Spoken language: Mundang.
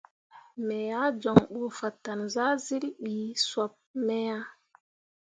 Me ah joŋ ɓe fatan zahzyilli ɓe sop me ah.